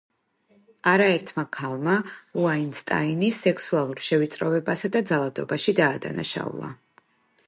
არაერთმა ქალმა უაინსტაინი სექსუალურ შევიწროებასა და ძალადობაში დაადანაშაულა.